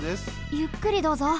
ゆっくりどうぞ。